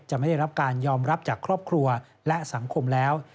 ไม่ได้รับการยอมรับจากครอบครัวและสังคมแล้ว